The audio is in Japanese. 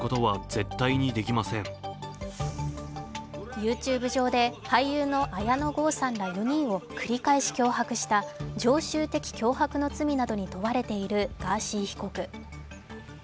ＹｏｕＴｕｂｅ上で、俳優の綾野剛さんら４人を繰り返し脅迫した常習的脅迫の罪などに問われているガーシー被告。